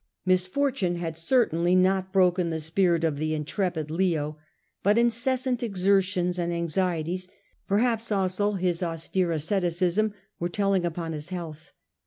Misfortune had certainly not broken the spirit of the intrepid Leo, but incessant exertions and anxieties. His death, perhaps also his austere asceticism, were tell 1054 ' ing upon his health.